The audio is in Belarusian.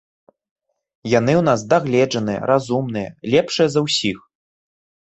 Яны ў нас дагледжаныя, разумныя, лепшыя за ўсіх.